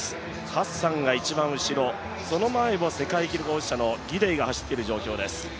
ハッサンが一番後ろ、その前を世界記録保持者のギデイが走っている状況です。